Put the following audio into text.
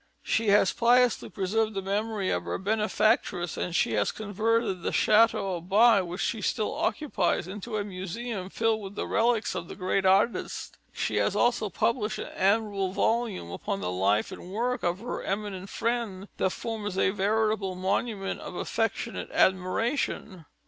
She has piously preserved the memory of her benefactress and she has converted the Chateau of By, which she still occupies, into a museum filled with relics of the great artist. She has also published an admirable volume upon the life and work of her eminent friend, that forms a veritable monument of affectionate admiration.